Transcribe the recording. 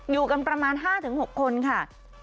อยู่กันประมาณ๕๖คนค่ะ